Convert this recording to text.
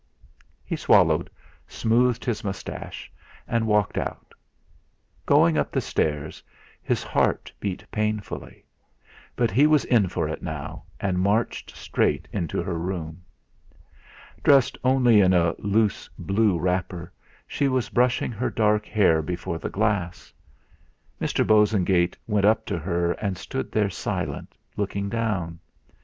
He swallowed, smoothed his moustache, and walked out. Going up the stairs, his heart beat painfully; but he was in for it now, and marched straight into her room. Dressed only in a loose blue wrapper, she was brushing her dark hair before the glass. Mr. Bosengate went up to her and stood there silent, looking down.